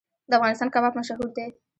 د افغانستان کباب مشهور دی